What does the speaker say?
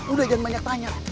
udah jangan banyak tanya